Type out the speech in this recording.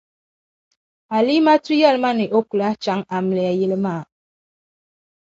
Alimatu yεli ma ni o ku lahi chaŋ amiliya yili maa.